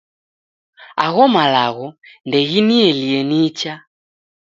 Agho malagho ndeginielie nicha.